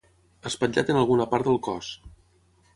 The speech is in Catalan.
Espatllat en alguna part del cos.